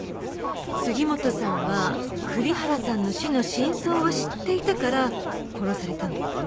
杉本さんは栗原さんの死の真相を知っていたから殺されたのよ。